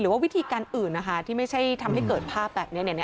ว่าวิธีการอื่นนะคะที่ไม่ใช่ทำให้เกิดภาพแบบนี้